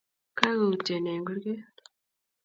Kagoutye ne eng kurget?